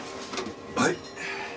はい？